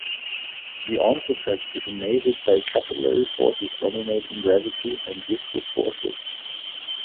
The Onnes-effect is enabled by the capillary forces dominating gravity and viscous forces.